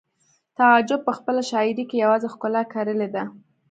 تعجب په خپله شاعرۍ کې یوازې ښکلا کرلې ده